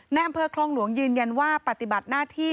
ในอำเภอคลองหลวงยืนยันว่าปฏิบัติหน้าที่